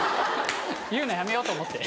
言うのやめようと思って。